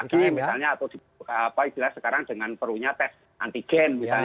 misalnya atau di apa itu lah sekarang dengan perunya tes antigen misalnya